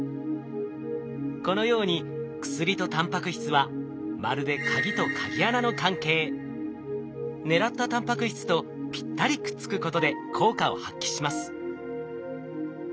このように薬とタンパク質はまるで狙ったタンパク質とぴったりくっつくことで効果を発揮します。